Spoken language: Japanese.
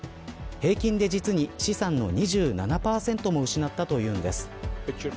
平均で実に資産の２７％も失ったというんです。